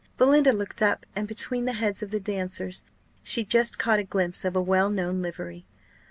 Belinda looked up, and between the heads of the dancers she just caught a glimpse of a well known livery.